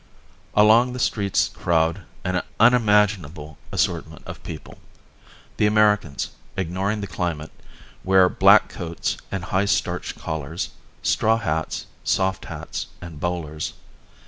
Along the streets crowd an unimaginable assortment of people. The Americans, ignoring the climate, wear black coats and high, starched collars, straw hats, soft hats, and bowlers.